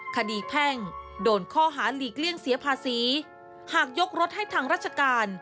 แพ่งโดนข้อหาหลีกเลี่ยงเสียภาษีหากยกรถให้ทางราชการ